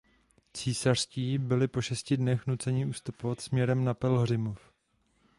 Císařští byli po šesti dnech nuceni ustupovat směrem na Pelhřimov.